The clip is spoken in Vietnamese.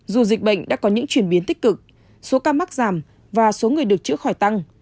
dù dịch bệnh đã có những chuyển biến tích cực số ca mắc giảm và số người được chữa khỏi tăng